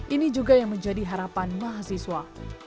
ini juga yang menjadi harapan mahasiswa